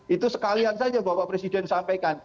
itu sekalian saja bapak presiden sampaikan